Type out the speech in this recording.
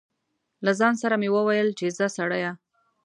له ځان سره مې و ویل چې ځه سړیه.